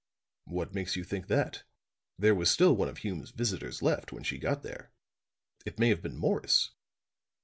"What makes you think that? There was still one of Hume's visitors left, when she got there. It may have been Morris."